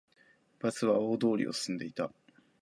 バスは大通りを進んでいた